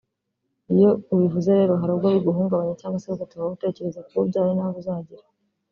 Iyo ubivuze rero hari ubwo biguhungabanya cyangwa se bigatuma wowe utekereza ku bo ubyaye n’abo uzagira